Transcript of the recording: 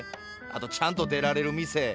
あとちゃんと出られる店！